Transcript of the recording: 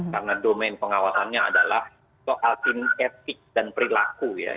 karena domain pengawasannya adalah soal kinesis dan perilaku ya